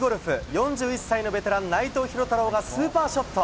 ４１歳のベテラン、内藤寛太郎がスーパーショット。